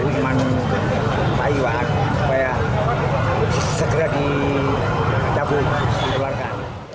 iwan setiawan supaya segera dikeluarkan